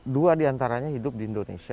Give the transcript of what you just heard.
dua diantaranya hidup di indonesia